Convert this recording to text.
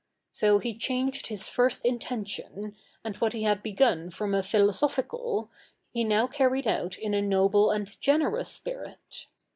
So he changed his first intention, and what he had begun from a philosophical, he now carried out in a noble and generous spirit.